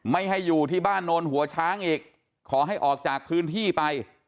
ไม่ให้อยู่ที่บ้านโนนหัวช้างอีกขอให้ออกจากพื้นที่ไป